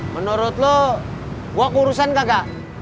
menurut lu gua kurusan kagak